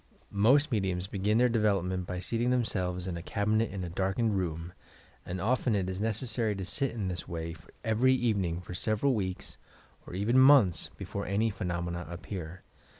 Most mediums begin their de velopment by seating themselves in a cabinet in a dark ened room, and often it is necessary to sit in this way every evening for several weeks or even months before any phenomena appear.